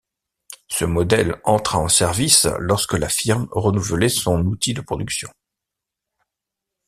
Ce modèle entra en service lorsque la firme renouvelait son outil de production.